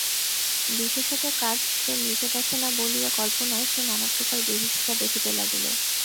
বিশেষত কাজ সে নিজে দেখে না বলিয়া কল্পনায় সে নানাপ্রকার বিভীষিকা দেখিতে লাগিল।